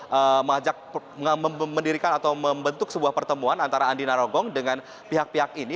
mengajak membedirkan atau membentuk sebuah pertemuan antara andina rogong dengan pihak pihak ini